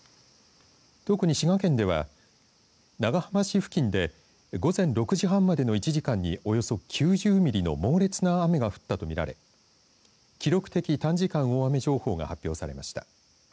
特に滋賀県では長浜市付近で午前６時半までの１時間におよそ９０ミリの猛烈な雨が降ったと見られ記録的短時間大雨情報が発表されました。